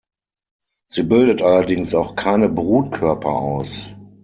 Sie bildet allerdings auch keine Brutkörper aus.